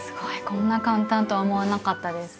こんな簡単とは思わなかったです。